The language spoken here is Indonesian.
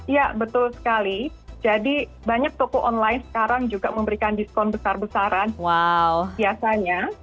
ya betul sekali jadi banyak toko online sekarang juga memberikan diskon besar besaran biasanya